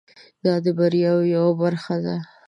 دا د بریاوو یوه برخه ده.